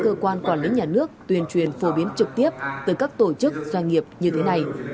và sẽ tiếp tục được các cơ quan quản lý nhà nước tuyên truyền phổ biến trực tiếp từ các tổ chức doanh nghiệp như thế này